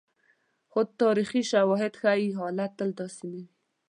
خو تاریخي شواهد ښيي، حالت تل داسې نه وي.